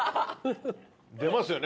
出ますよね